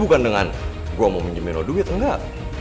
bukan dengan gue mau minjemin lo duit enggak